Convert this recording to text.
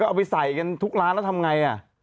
เอาไปใส่กันทุกร้านแล้วทำไง